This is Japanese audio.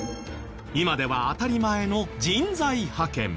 今では当たり前の人材派遣。